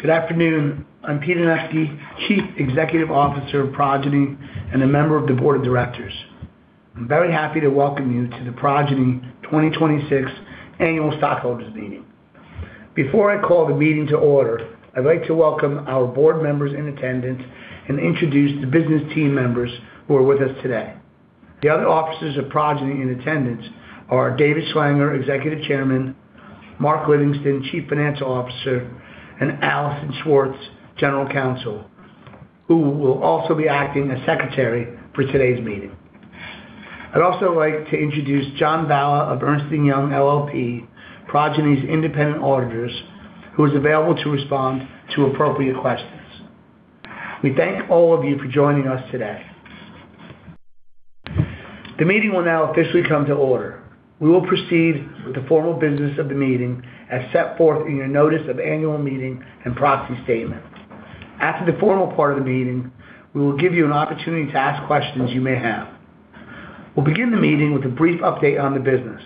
Good afternoon. I'm Pete Anevski, Chief Executive Officer of Progyny and a member of the board of directors. I'm very happy to welcome you to the Progyny 2026 Annual Stockholders Meeting. Before I call the meeting to order, I'd like to welcome our board members in attendance and introduce the business team members who are with us today. The other officers of Progyny in attendance are David Schlanger, Executive Chairman, Mark Livingston, Chief Financial Officer, and Allison Swartz, General Counsel, who will also be acting as Secretary for today's meeting. I'd also like to introduce John Valla of Ernst & Young LLP, Progyny's independent auditors, who is available to respond to appropriate questions. We thank all of you for joining us today. The meeting will now officially come to order. We will proceed with the formal business of the meeting as set forth in your notice of annual meeting and proxy statement. After the formal part of the meeting, we will give you an opportunity to ask questions you may have. We'll begin the meeting with a brief update on the business.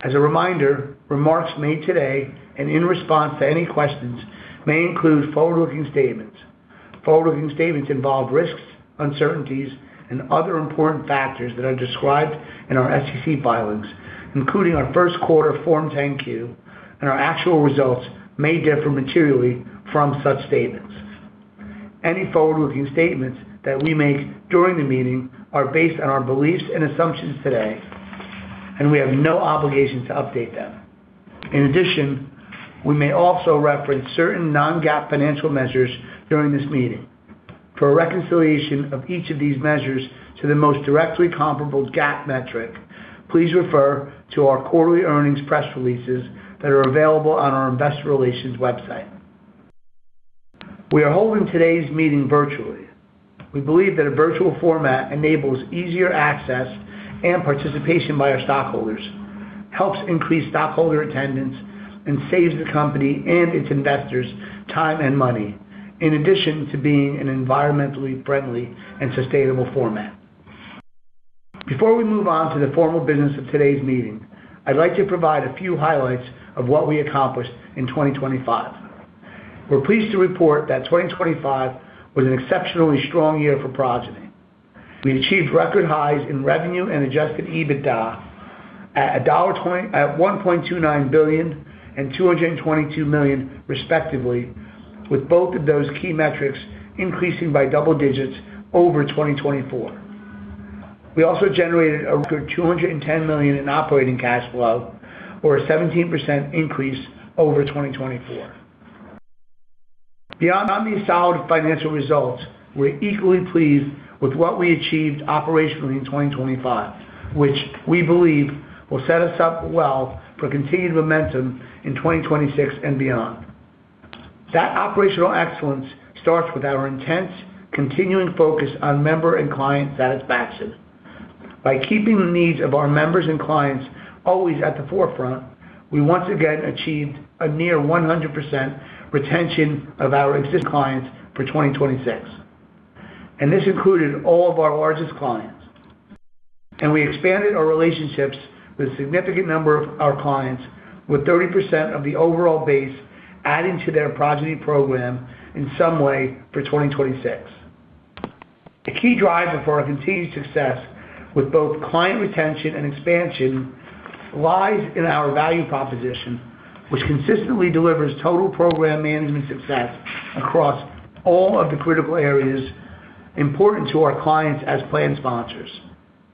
As a reminder, remarks made today and in response to any questions may include forward-looking statements. Forward-looking statements involve risks, uncertainties, and other important factors that are described in our SEC filings, including our first quarter Form 10-Q, and our actual results may differ materially from such statements. Any forward-looking statements that we make during the meeting are based on our beliefs and assumptions today, and we have no obligation to update them. In addition, we may also reference certain non-GAAP financial measures during this meeting. For a reconciliation of each of these measures to the most directly comparable GAAP metric, please refer to our quarterly earnings press releases that are available on our investor relations website. We are holding today's meeting virtually. We believe that a virtual format enables easier access and participation by our stockholders, helps increase stockholder attendance, and saves the company and its investors time and money, in addition to being an environmentally friendly and sustainable format. Before we move on to the formal business of today's meeting, I'd like to provide a few highlights of what we accomplished in 2025. We're pleased to report that 2025 was an exceptionally strong year for Progyny. We achieved record highs in revenue and adjusted EBITDA at $1.29 billion and $222 million respectively, with both of those key metrics increasing by double digits over 2024. We also generated a record $210 million in operating cash flow or a 17% increase over 2024. Beyond these solid financial results, we're equally pleased with what we achieved operationally in 2025, which we believe will set us up well for continued momentum in 2026 and beyond. That operational excellence starts with our intense continuing focus on member and client satisfaction. By keeping the needs of our members and clients always at the forefront, we once again achieved a near 100% retention of our existing clients for 2026. This included all of our largest clients. We expanded our relationships with a significant number of our clients, with 30% of the overall base adding to their Progyny program in some way for 2026. The key driver for our continued success with both client retention and expansion lies in our value proposition, which consistently delivers total program management success across all of the critical areas important to our clients as plan sponsors.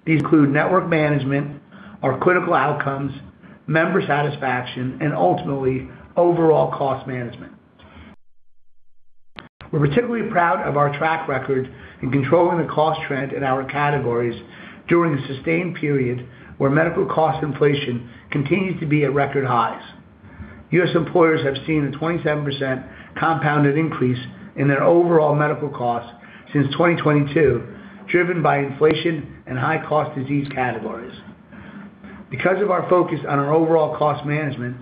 These include network management, our critical outcomes, member satisfaction, and ultimately, overall cost management. We're particularly proud of our track record in controlling the cost trend in our categories during a sustained period where medical cost inflation continues to be at record highs. U.S. employers have seen a 27% compounded increase in their overall medical costs since 2022, driven by inflation and high cost disease categories. Because of our focus on our overall cost management,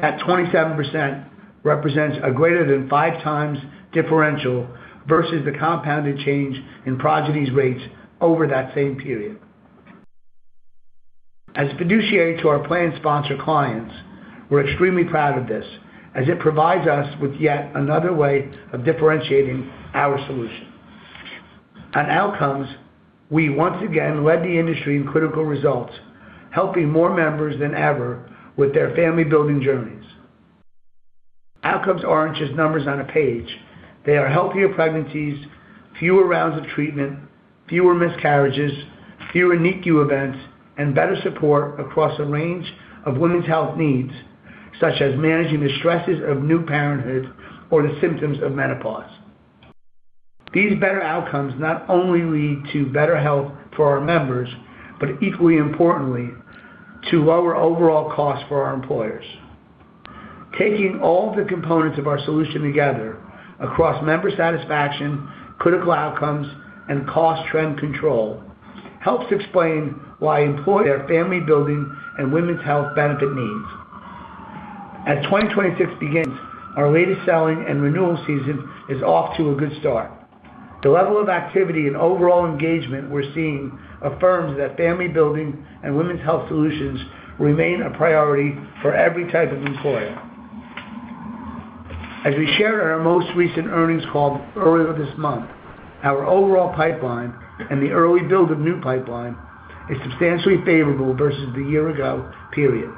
that 27% represents a greater than five times differential versus the compounded change in Progyny's rates over that same period. As fiduciary to our plan sponsor clients, we're extremely proud of this, as it provides us with yet another way of differentiating our solution. On outcomes, we once again led the industry in critical results, helping more members than ever with their family-building journeys. Outcomes aren't just numbers on a page. They are healthier pregnancies, fewer rounds of treatment, fewer miscarriages, fewer NICU events, and better support across a range of women's health needs, such as managing the stresses of new parenthood or the symptoms of menopause. These better outcomes not only lead to better health for our members, but equally importantly, to lower overall costs for our employers. Taking all the components of our solution together across member satisfaction, critical outcomes, and cost trend control helps explain why employers are turning to Progyny to meet their family-building and women's health benefit needs. As 2026 begins, our latest selling and renewal season is off to a good start. The level of activity and overall engagement we're seeing affirms that family-building and women's health solutions remain a priority for every type of employer. As we shared on our most recent earnings call earlier this month, our overall pipeline and the early build of new pipeline is substantially favorable versus the year ago period.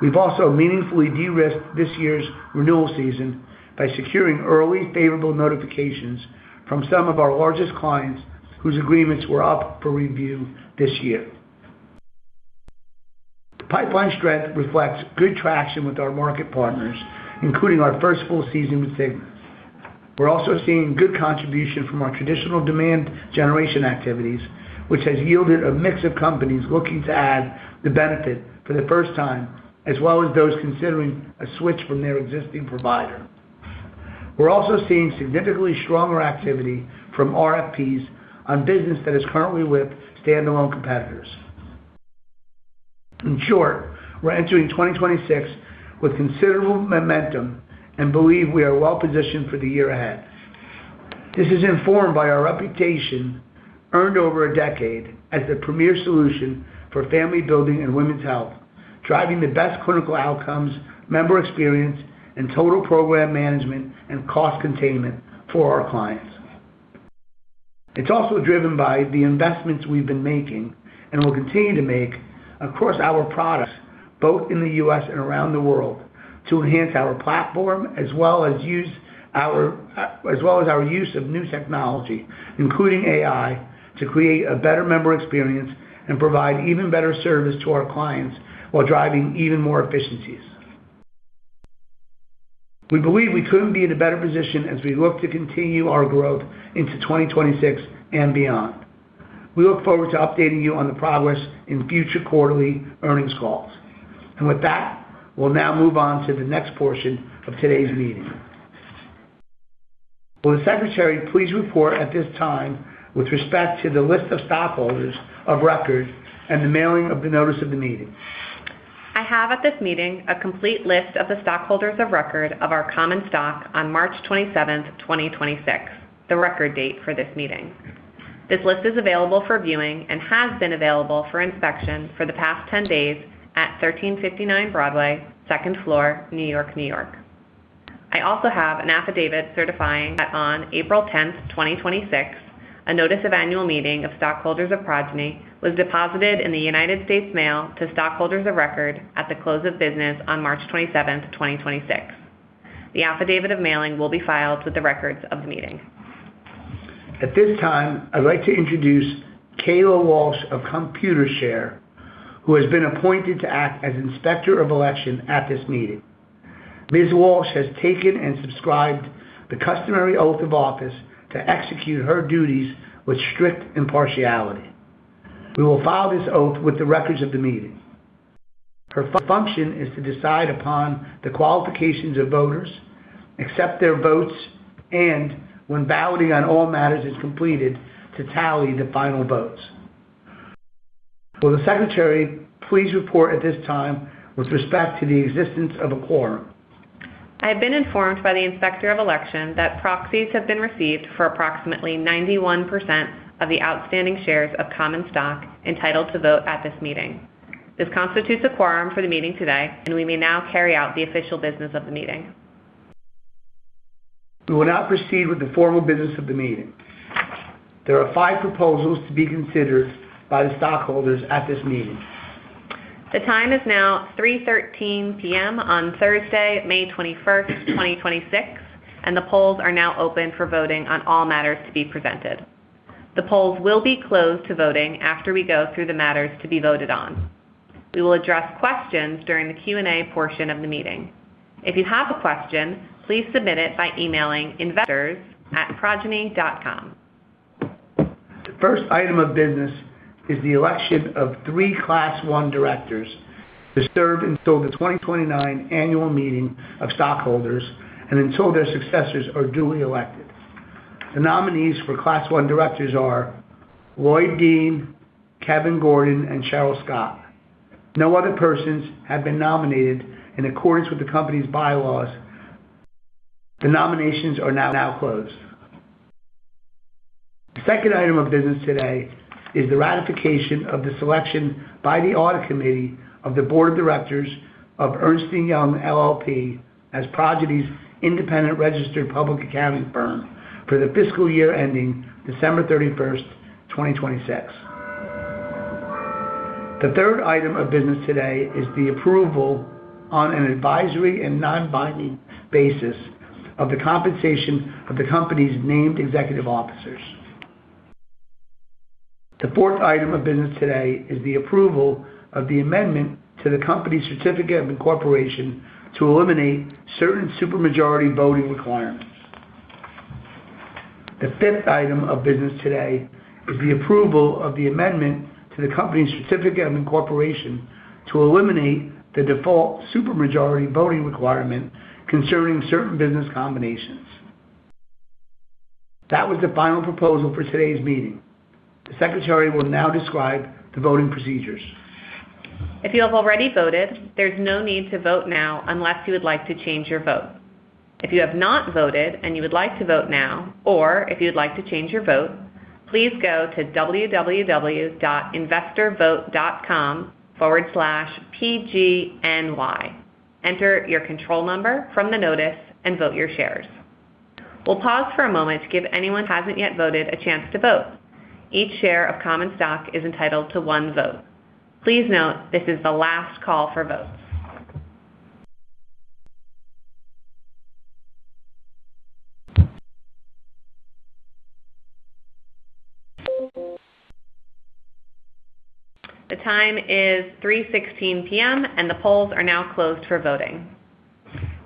We've also meaningfully de-risked this year's renewal season by securing early favorable notifications from some of our largest clients whose agreements were up for review this year. The pipeline strength reflects good traction with our market partners, including our first full season with Cigna. We're also seeing good contribution from our traditional demand generation activities, which has yielded a mix of companies looking to add the benefit for the first time, as well as those considering a switch from their existing provider. We're also seeing significantly stronger activity from RFPs on business that is currently with standalone competitors. In short, we're entering 2026 with considerable momentum and believe we are well positioned for the year ahead. This is informed by our reputation, earned over a decade as the premier solution for family-building and women's health, driving the best clinical outcomes, member experience, and total program management and cost containment for our clients. It's also driven by the investments we've been making and will continue to make across our products, both in the U.S. and around the world, to enhance our platform as well as our use of new technology, including AI, to create a better member experience and provide even better service to our clients while driving even more efficiencies. We believe we couldn't be in a better position as we look to continue our growth into 2026 and beyond. We look forward to updating you on the progress in future quarterly earnings calls. With that, we'll now move on to the next portion of today's meeting. Will the secretary please report at this time with respect to the list of stockholders of record and the mailing of the notice of the meeting? I have at this meeting a complete list of the stockholders of record of our common stock on March 27th, 2026, the record date for this meeting. This list is available for viewing and has been available for inspection for the past 10 days at 1359 Broadway, second floor, New York, New York. I also have an affidavit certifying that on April 10th, 2026, a notice of annual meeting of stockholders of Progyny was deposited in the United States Mail to stockholders of record at the close of business on March 27th, 2026. The affidavit of mailing will be filed with the records of the meeting. At this time, I'd like to introduce Kayla Walsh of Computershare, who has been appointed to act as Inspector of Election at this meeting. Ms. Walsh has taken and subscribed the customary oath of office to execute her duties with strict impartiality. We will file this oath with the records of the meeting. Her function is to decide upon the qualifications of voters, accept their votes, and when balloting on all matters is completed, to tally the final votes. Will the secretary please report at this time with respect to the existence of a quorum? I have been informed by the Inspector of Election that proxies have been received for approximately 91% of the outstanding shares of common stock entitled to vote at this meeting. This constitutes a quorum for the meeting today, and we may now carry out the official business of the meeting. We will now proceed with the formal business of the meeting. There are five proposals to be considered by the stockholders at this meeting. The time is now 3:13 P.M. on Thursday, May 21st, 2026. The polls are now open for voting on all matters to be presented. The polls will be closed to voting after we go through the matters to be voted on. We will address questions during the Q&A portion of the meeting. If you have a question, please submit it by emailing investors@progyny.com. The first item of business is the election of three Class I directors to serve until the 2029 annual meeting of stockholders and until their successors are duly elected. The nominees for Class I directors are Lloyd Dean, Kevin Gordon, and Cheryl Scott. No other persons have been nominated in accordance with the company's bylaws. The nominations are now closed. The second item of business today is the ratification of the selection by the Audit Committee of the Board of Directors of Ernst & Young LLP as Progyny's independent registered public accounting firm for the fiscal year ending December 31st, 2026. The third item of business today is the approval on an advisory and non-binding basis of the compensation of the company's named executive officers. The fourth item of business today is the approval of the amendment to the company's certificate of incorporation to eliminate certain supermajority voting requirements. The fifth item of business today is the approval of the amendment to the company's certificate of incorporation to eliminate the default super majority voting requirement concerning certain business combinations. That was the final proposal for today's meeting. The secretary will now describe the voting procedures. If you have already voted, there's no need to vote now unless you would like to change your vote. If you have not voted and you would like to vote now, or if you'd like to change your vote, please go to www.investorvote.com/pgny. Enter your control number from the notice and vote your shares. We'll pause for a moment to give anyone who hasn't yet voted a chance to vote. Each share of common stock is entitled to one vote. Please note, this is the last call for votes. The time is 3:16 P.M. and the polls are now closed for voting.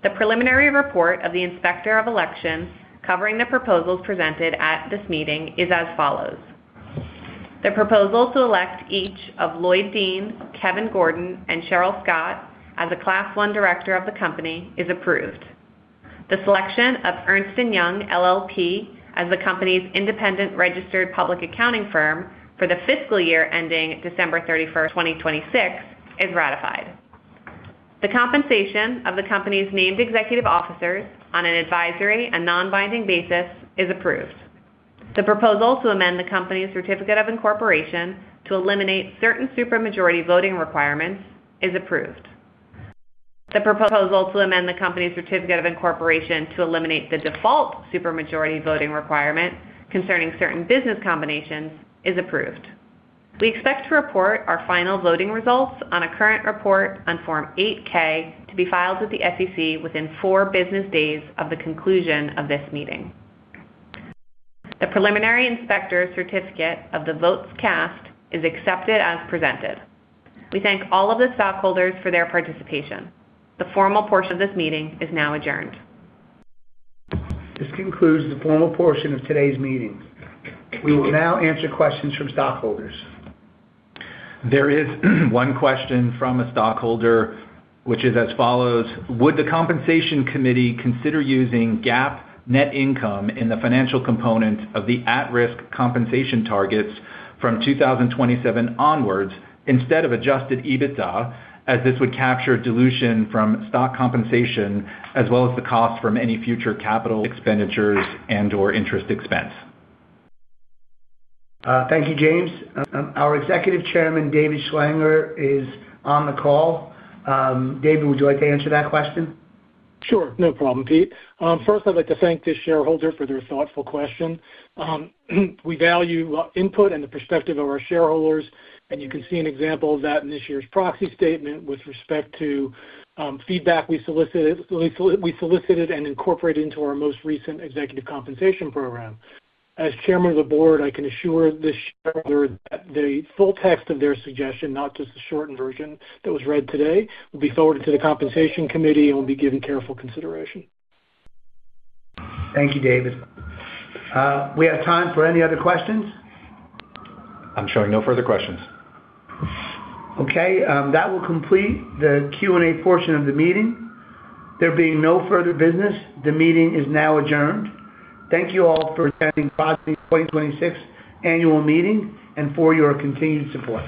The preliminary report of the Inspector of Election covering the proposals presented at this meeting is as follows. The proposal to elect each of Lloyd Dean, Kevin Gordon, and Cheryl Scott as a Class I Director of the company is approved. The selection of Ernst & Young LLP as the company's independent registered public accounting firm for the fiscal year ending December 31st, 2026 is ratified. The compensation of the company's named executive officers on an advisory and non-binding basis is approved. The proposal to amend the company's certificate of incorporation to eliminate certain super majority voting requirements is approved. The proposal to amend the company's certificate of incorporation to eliminate the default super majority voting requirement concerning certain business combinations is approved. We expect to report our final voting results on a current report on Form 8-K to be filed with the SEC within four business days of the conclusion of this meeting. The preliminary inspector's certificate of the votes cast is accepted as presented. We thank all of the stockholders for their participation. The formal portion of this meeting is now adjourned. This concludes the formal portion of today's meeting. We will now answer questions from stockholders. There is one question from a stockholder, which is as follows: Would the compensation committee consider using GAAP net income in the financial component of the at-risk compensation targets from 2027 onwards instead of adjusted EBITDA, as this would capture dilution from stock compensation as well as the cost from any future capital expenditures and/or interest expense? Thank you, James. Our Executive Chairman, David Schlanger, is on the call. David, would you like to answer that question? Sure. No problem, Pete. First, I'd like to thank the shareholder for their thoughtful question. We value input and the perspective of our shareholders, and you can see an example of that in this year's proxy statement with respect to feedback we solicited and incorporated into our most recent executive compensation program. As chairman of the board, I can assure this shareholder that the full text of their suggestion, not just the shortened version that was read today, will be forwarded to the compensation committee and will be given careful consideration. Thank you, David. We have time for any other questions? I'm showing no further questions. Okay. That will complete the Q&A portion of the meeting. There being no further business, the meeting is now adjourned. Thank you all for attending Progyny 2026 annual meeting and for your continued support.